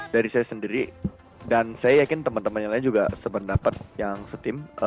dari saya sendiri dan saya yakin teman teman yang lain juga sependapat yang setim